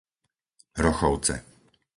Rochovce